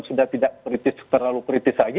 sudah tidak kritis terlalu kritis lagi